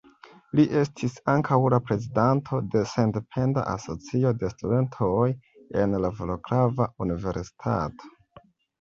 Li estis ankaŭ la prezidanto de Sendependa Asocio de Studentoj en la Vroclava Universitato.